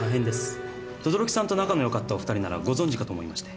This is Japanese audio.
等々力さんと仲の良かったお二人ならご存じかと思いまして。